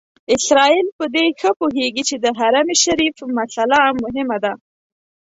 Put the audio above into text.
اسرائیل په دې ښه پوهېږي چې د حرم شریف مسئله مهمه ده.